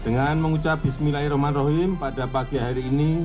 dengan mengucap bismillahirrahmanirrahim pada pagi hari ini